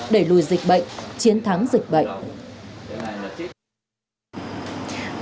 để lùi dịch bệnh chiến thắng dịch bệnh